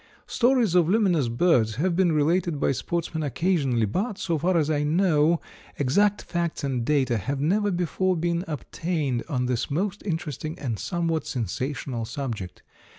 "Stories of luminous birds have been related by sportsmen occasionally, but, so far as I know, exact facts and data have never before been obtained on this most interesting and somewhat sensational subject.